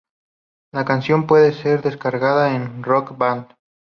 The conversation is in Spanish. La canción puede ser descargada en "Rock Band".